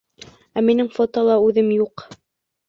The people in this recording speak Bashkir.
Ә минең фотола үҙем юҡ.